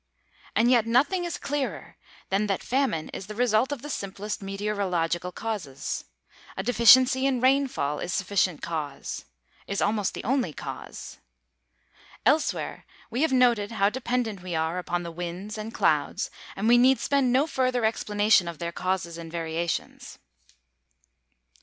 And yet nothing is clearer than that famine is the result of the simplest meteorological causes. A deficiency in rainfall is sufficient cause is almost the only cause. Elsewhere we have noted how dependent we are upon the winds and clouds, and we need spend no further explanation of their causes and variations.